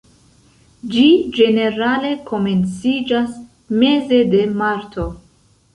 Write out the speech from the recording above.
Ĝi ĝenerale komenciĝas meze de marto.